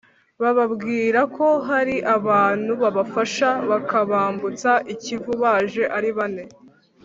Bababwira ko hari abantu babafasha bakabambutsa i Kivu baje ari bane